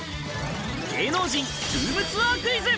芸能人ルームツアークイズ。